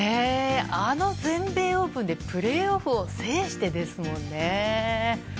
あの全米オープンでプレーオフを制してですもんね。